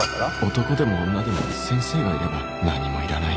男でも女でも先生がいれば何もいらない